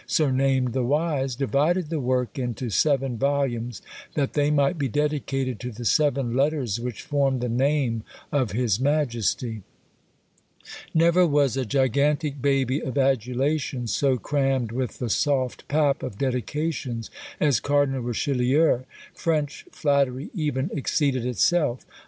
surnamed the Wise, divided the work into seven volumes; that they might be dedicated to the seven letters which formed the name of his majesty! Never was a gigantic baby of adulation so crammed with the soft pap of Dedications as Cardinal Richelieu. French flattery even exceeded itself.